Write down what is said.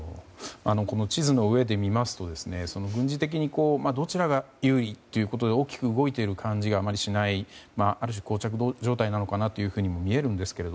地図の上で見ますと軍事的にどちらが優位ということで大きく動いている感じがあまりしないある種、膠着状態なのかなとも見えるんですが